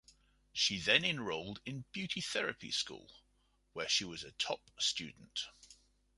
She then enrolled in beauty therapy school, where she was a top student.